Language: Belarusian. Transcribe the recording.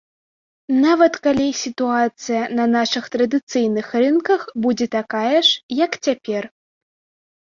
Нават калі сітуацыя на нашых традыцыйных рынках будзе такая ж, як цяпер.